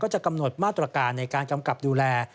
จะกำหนดมาตรการในการกำกับดูแล